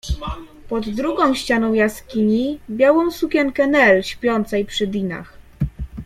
Pod drugą ścianą jaskini białą sukienkę Nel śpiącej przy Dinah.